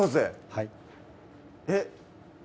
はいえっ？